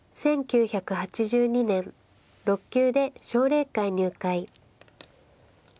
１９８２年６級で奨励会入会。